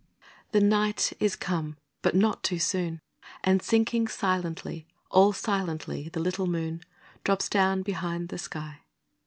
The night is come, but not too soon; And sinking silently, All silently, the little moon Drops down behind the sky.